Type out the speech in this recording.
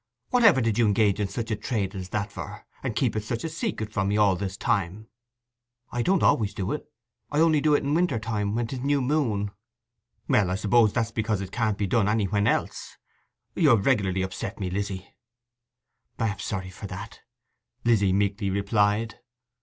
Whatever did you engage in such a trade as that for, and keep it such a secret from me all this time?' 'I don't do it always. I only do it in winter time when 'tis new moon.' 'Well, I suppose that's because it can't be done anywhen else ... You have regularly upset me, Lizzy.' 'I am sorry for that,' Lizzy meekly replied.